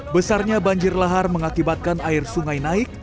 besarnya banjir lahar mengakibatkan air sungai naik